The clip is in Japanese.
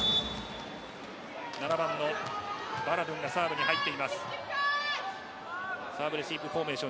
山田、７番のバラドゥンがサーブに入ります。